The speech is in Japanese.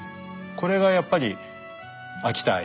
これがやっぱり秋田愛。